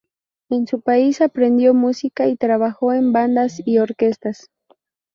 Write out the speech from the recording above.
En su país aprendió música y trabajó en bandas y orquestas.